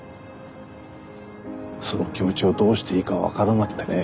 その気持ちをどうしていいか分からなくてね。